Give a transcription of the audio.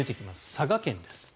佐賀県です。